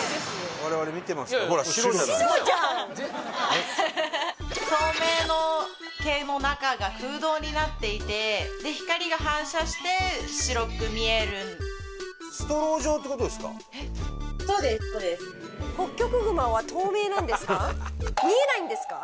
我々見てますから白じゃん透明の毛の中が空洞になっていてで光が反射して白く見えるストロー状ってことですか？